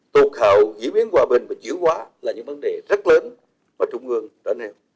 tục hào diễn biến hòa bình và chứa hóa là những vấn đề rất lớn mà trung ương đã nêu